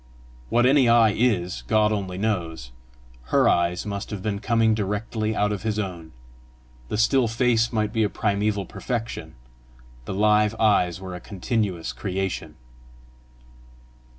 What any eye IS, God only knows: her eyes must have been coming direct out of his own! the still face might be a primeval perfection; the live eyes were a continuous creation.